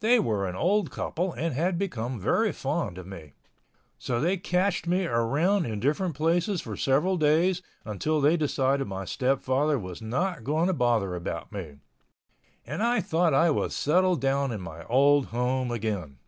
They were an old couple and had become very fond of me. So they cached me around in different places for several days until they decided my stepfather was not going to bother about me—and I thought I was settled down in my old home again.